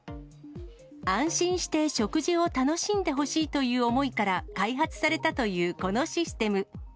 安心して食事を楽しんでほしいという思いから、開発されたというこのシステム。